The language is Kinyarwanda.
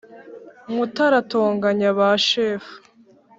mutara atonganya ba shefu